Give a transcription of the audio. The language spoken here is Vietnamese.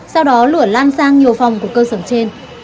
sau đó lửa lan sang nhiều phòng của cơ sở trên